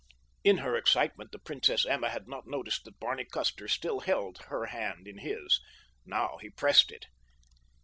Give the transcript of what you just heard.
In her excitement the Princess Emma had not noticed that Barney Custer still held her hand in his. Now he pressed it.